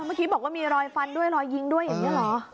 เมื่อกี้บอกว่ามีรอยฟันด้วยรอยยิงด้วยอย่างนี้เหรอ